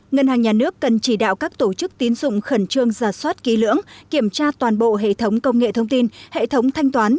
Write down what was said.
ngân hàng nhà nước cần chỉ đạo các tổ chức tín dụng khẩn trương giả soát ký lưỡng kiểm tra toàn bộ hệ thống công nghệ thông tin hệ thống thanh toán